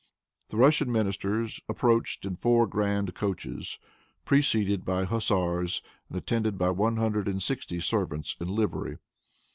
The Russian ministers approached in four grand coaches, preceded by hussars, and attended by one hundred and sixty servants in livery.